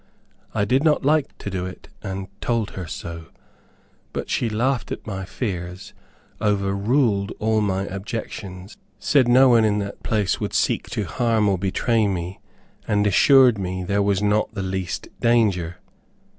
I did not like to do it, and told her so; but she laughed at my fears, overruled all my objections, said no one in that place would seek to harm or to betray me, and assured me there was not the least danger.